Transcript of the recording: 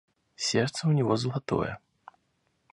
Сердце у него золотое.